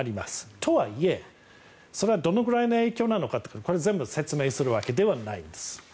とはいえ、それはどのくらいの影響なのかってこれ全部説明するわけではないです。